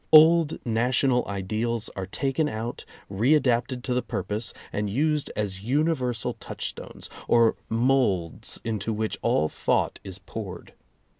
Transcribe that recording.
Old national ideals are taken out, re adapted to the purpose and used as universal touchstones, or molds into which all thought is poured.